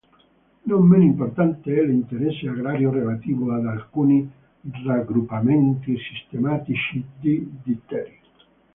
Non meno importante è l'interesse agrario relativo ad alcuni raggruppamenti sistematici di ditteri.